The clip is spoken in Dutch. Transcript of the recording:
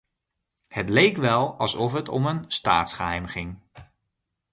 Het leek wel alsof het om een staatsgeheim ging.